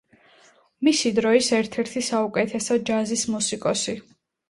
მისი დროის ერთ-ერთი საუკეთესო ჯაზის მუსიკოსი.